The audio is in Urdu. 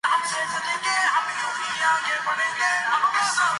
پنجاب ریونیو اتھارٹی کا ٹیکس نادہندگان کیلئے پیکج کا اعلان